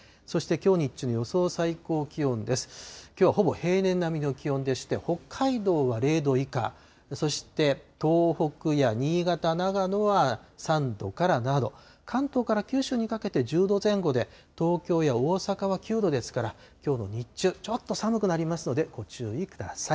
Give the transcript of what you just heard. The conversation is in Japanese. きょうはほぼ平年並みの気温でして、北海道は０度以下、そして東北や新潟、長野は３度から７度、関東から九州にかけて１０度前後で、東京や大阪は９度ですから、きょうの日中、ちょっと寒くなりますのでご注意ください。